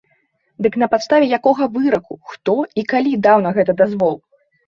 Дык на падставе якога выраку, хто і калі даў на гэта дазвол?